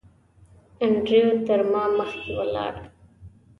انډریو تر ما مخکې ولاړ.